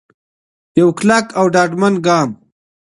یو کلک او ډاډمن ګام.